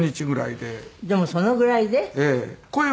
でもそのぐらいで？